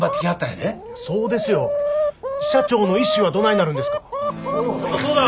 そうですよ。社長の遺志はどないなるんですか。